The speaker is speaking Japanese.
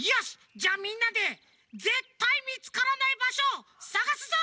じゃあみんなでぜったいみつからないばしょさがすぞ！